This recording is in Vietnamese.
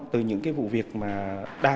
từ những cái vụ việc mà